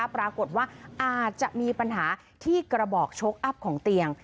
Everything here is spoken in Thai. ปรากฏว่าอาจจะมีปัญหาที่กระบอกโชคอัพของเตียง